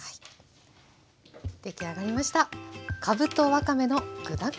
出来上がりました。